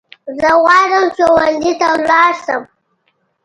زه غواړم ښوونځی ته لاړ شم